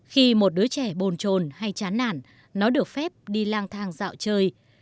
khi một đứa trẻ bồn trồn hay chán nản nó được phép đi lang thang dạo chơi